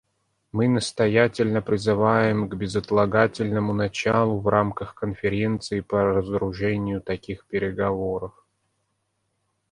Мы настоятельно призываем к безотлагательному началу в рамках Конференции по разоружению таких переговоров.